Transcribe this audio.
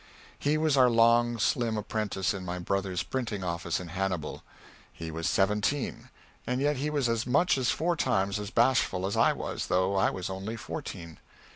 He was our long slim apprentice in my brother's printing office in Hannibal. He was seventeen, and yet he was as much as four times as bashful as I was, though I was only fourteen.